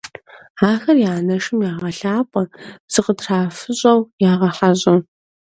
Ахэр я анэшым ягъэлъапӀэ, зыкытрафыщӀэу ягъэхьэщӀэ.